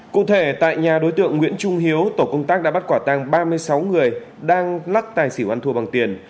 cụ thể tại nhà đối tượng nguyễn trung hiếu tổ công tác đã bắt quả tăng ba mươi sáu người đang lắc tài xỉu ăn thua bằng tiền